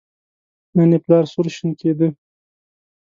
نن یې پلار سور شین کېده.